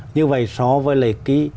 như vậy so với lại